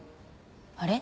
あれ？